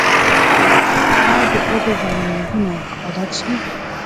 آیا د اوبو بندونه به ډک شي؟